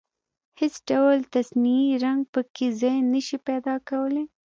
هېڅ ډول تصنعي رنګ په کې ځای نشي پيدا کولای.